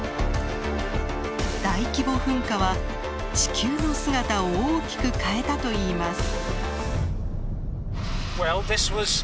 大規模噴火は地球の姿を大きく変えたといいます。